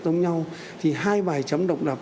giống nhau thì hai bài chấm độc lập